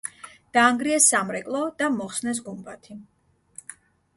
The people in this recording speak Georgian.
დაანგრიეს სამრეკლო და მოხსნეს გუმბათი.